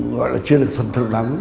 gọi là chưa được thuận thật lắm